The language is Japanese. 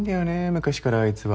昔からあいつは。